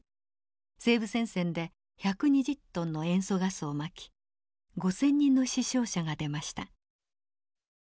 西部戦線で１２０トンの塩素ガスをまき５，０００人の死傷者が出ました。